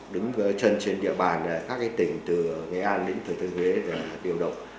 đứng chân trên địa bàn các tỉnh từ nghệ an đến thừa thiên huế để điều động